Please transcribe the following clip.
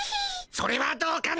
それはどうかな？